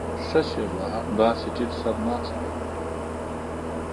ښه شېبه همداسې ټيټ سر ناست و.